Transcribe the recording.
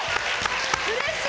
うれしい！